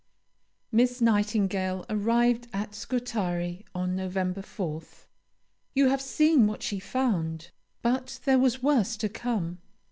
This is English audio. Miss Nightingale arrived at Scutari on November 4th. You have seen what she found; but there was worse to come.